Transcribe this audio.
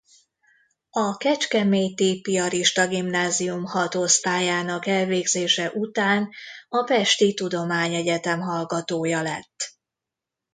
A kecskeméti piarista gimnázium hat osztályának elvégzése után a pesti tudományegyetem hallgatója lett.